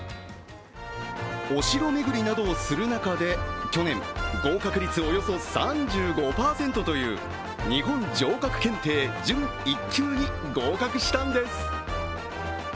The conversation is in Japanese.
お城巡りなどをする中で、去年、合格率およそ３５％という日本城郭検定準１級に合格したんです。